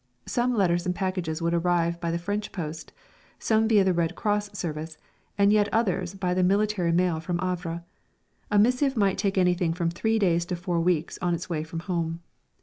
Some letters and packages would arrive by the French post, some via the Red Cross service, and yet others by the military mail from Havre. A missive might take anything from three days to four weeks on its way from home.